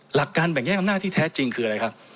หลักการแบ่งแยกอำนาจที่แท้จริงคืออะไรครับ